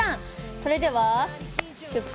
それでは出発！